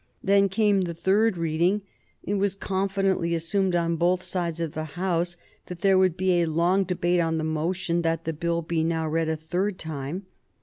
Then came the third reading. It was confidently assumed on both sides of the House that there would be a long debate on the motion that the Bill be now read a third time.